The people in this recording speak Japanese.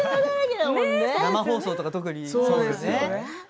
生放送とか特にそうですよね。